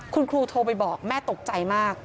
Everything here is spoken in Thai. คุณครูโทรไปบอกแม่ตกใจมาก